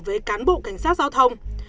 với cán bộ cảnh sát giao thông